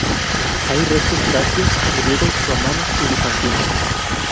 Hay restos tracios, griegos, romanos y bizantinos.